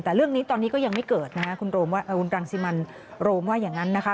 แต่เรื่องนี้ตอนนี้ก็ยังไม่เกิดนะคะคุณรังสิมันโรมว่าอย่างนั้นนะคะ